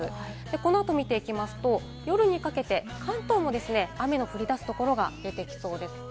この後を見ていきますと、夜にかけて関東も雨の降り出す所が出てきそうです。